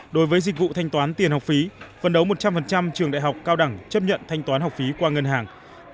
đối với dịch vụ thanh toán tiền học phí phân đấu một trăm linh trường đại học cao đẳng chấp nhận thanh toán học phí qua ngân hàng